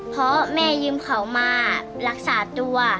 เพราะแม่ยืมเขามารักษาตัว